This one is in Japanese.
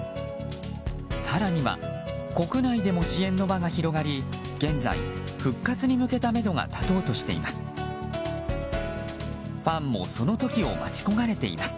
更には国内でも支援の輪が広がり現在、復活に向けためどが立とうとしています。